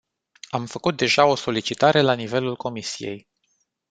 Am făcut deja o solicitare la nivelul comisiei.